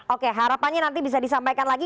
oke harapannya nanti bisa disampaikan lagi